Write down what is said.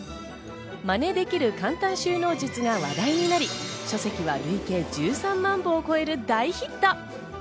まねできる簡単収納術が話題になり書籍は累計１３万部を超える大ヒット。